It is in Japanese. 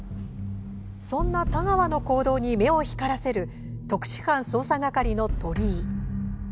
そんな田川の行動に目を光らせる特殊班捜査係の鳥居。